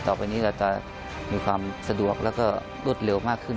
ต่อไปนี้เราจะมีความสะดวกแล้วก็รวดเร็วมากขึ้น